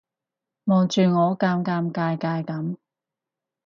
望住我尷尷尬尬噉